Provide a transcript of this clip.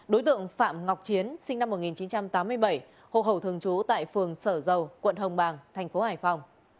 đối tượng phạm ngọc chiến sinh năm một nghìn chín trăm tám mươi bảy hộ khẩu thường trú tại phường sở dầu quận hồng bàng thành phố hải phòng